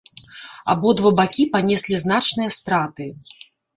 Абодва бакі панеслі значныя страты.